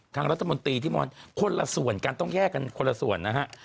ทางรัฐมนตรีที่มองคนละส่วนกันต้องแยกกันคนละส่วนนะฮะ